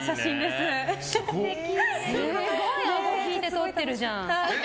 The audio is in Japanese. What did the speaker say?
すごい顎引いて撮ってるじゃん。